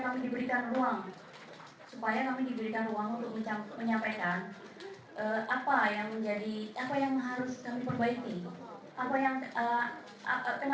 ada lagi pertanyaan mungkin